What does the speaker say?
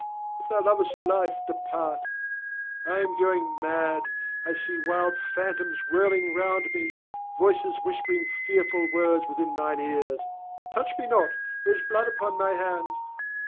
If thou lovest life, depart. I'm going mad: I see wild phantoms whirling round me, voices whispering fearful words within mine ears. Touch me not, there is blood upon my hands!